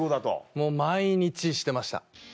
もう毎日してました。